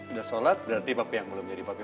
udah sholat berarti papi yang belum jadi papi